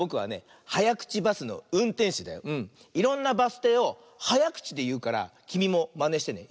いろんなバスていをはやくちでいうからきみもまねしてね。